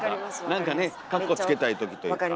何かねかっこつけたいときというか。